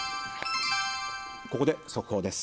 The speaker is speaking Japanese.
ここで速報です。